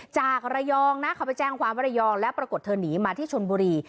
จากระยองนะเขาไปแจ้งความว่าระยองแล้วปรากฏเธอหนีมาที่ชนบุรี